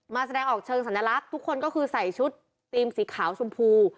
แสดงออกเชิงสัญลักษณ์ทุกคนก็คือใส่ชุดทีมสีขาวชมพู